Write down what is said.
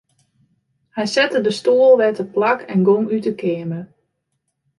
Hy sette de stoel wer teplak en gong út 'e keamer.